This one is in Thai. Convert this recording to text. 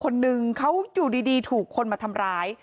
คนนึงเขาอยู่ดีถูกคนมาทำร้าย